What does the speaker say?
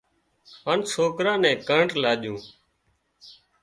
هانَ سوڪرا نين ڪرنٽ لاڄون